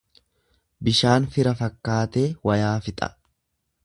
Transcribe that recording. Bishaan fira fakkaatee wayaa fixa.